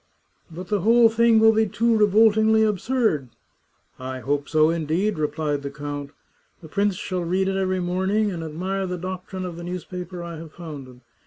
*' But the whole thing will be too revoltingly absurd! "*' I hope so, indeed," replied the count. *' The prince shall read it every morning, and admire the doctrine of the newspaper I have founded.